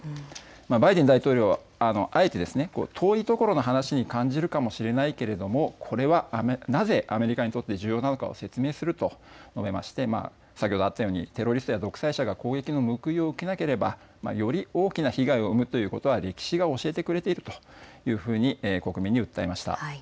バイデン大統領、あえて遠いところの話に感じるかもしれないけれどもこれはなぜ、アメリカにとって重要なのかを説明すると述べまして、先ほどあったようにテロリストや独裁者が攻撃の報いを受けなければより大きな被害を生むということは歴史が教えてくれているというふうに国民に訴えました。